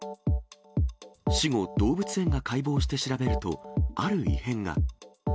死後、動物園が解剖して調べると、ある異変が。